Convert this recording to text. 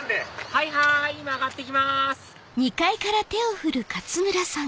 はいはい今上がっていきます